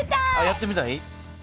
やってみたい？